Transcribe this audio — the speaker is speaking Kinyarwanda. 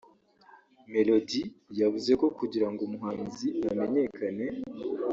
Melody yavuze ko kugira ngo umuhanzi amenyekane